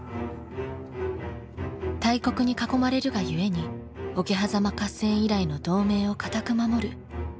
大国に囲まれるがゆえに桶狭間合戦以来の同盟を堅く守る信長と家康。